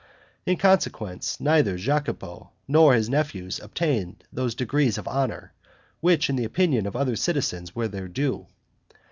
In consequence, neither Jacopo nor his nephews obtained those degrees of honor, which in the opinion of other citizens were their due.